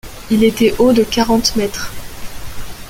Il était haut de quarante mètres.